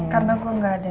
karena gue gak ada